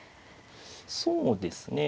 そうですね。